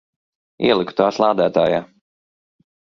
Ieliku tās lādētājā.